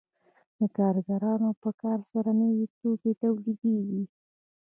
د کارګرانو په کار سره نوي توکي تولیدېږي